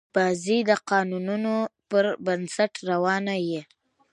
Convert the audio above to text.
بازي د قانونونو پر بنسټ روانه يي.